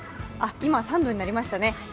あ、今、３度になりましたね。